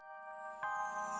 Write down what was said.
jangan lupa like share dan subscribe